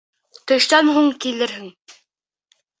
Төштән һуң килерһең.